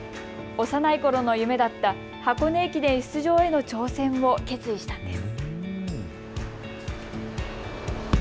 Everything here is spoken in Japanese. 幼いころの夢だった箱根駅伝出場への挑戦を決意したんです。